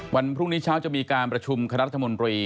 วันพรุ่งนี้เช้าจะมีการประชุมคณะรัฐมนตรี